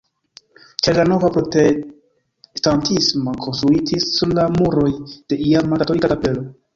Ĉar la nova protestantisma konstruitis sur la muroj de iama katolika kapelo.